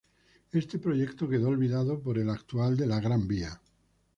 Este proyecto quedó olvidado por el actual de la Gran Vía.